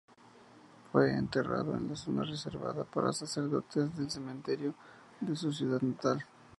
Fue enterrado en la zona reservada para sacerdotes del cementerio de su ciudad natal.